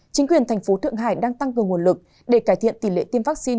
chính quyền thành phố thượng hải đang tăng cường nguồn lực để cải thiện tỷ lệ tiêm vaccine